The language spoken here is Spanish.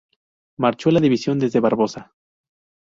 Marchó la división desde Barbosa.